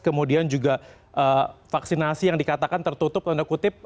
kemudian juga vaksinasi yang dikatakan tertutup tanda kutip